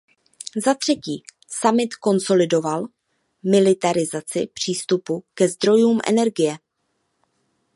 Zatřetí, summit konsolidoval militarizaci přístupu ke zdrojům energie.